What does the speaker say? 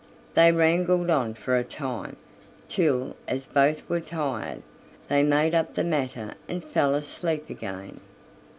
They wrangled on for a time, till, as both were tired, they made up the matter and fell asleep again.